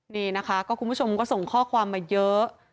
นี่นะคะก็คุณผู้ชมก็ส่งข้อความมาเยอะ